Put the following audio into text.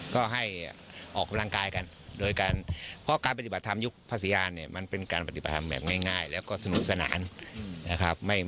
ก็ให้ออกพลังกายกันโดยการยุคภาษิญาณเนี่ยมันเป็นการปฏิบัติธรรมแบบง่ายแล้วถึงสนุกสนานนะครับ